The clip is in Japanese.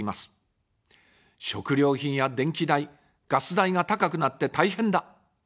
食料品や電気代、ガス代が高くなって大変だ。